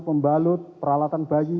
pembalut peralatan bayi